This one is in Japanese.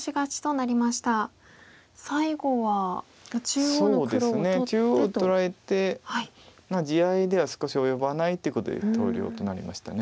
中央を取られて地合いでは少し及ばないってことで投了となりました。